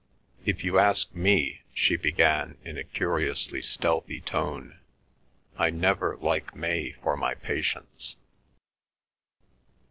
"If you ask me," she began in a curiously stealthy tone, "I never like May for my patients."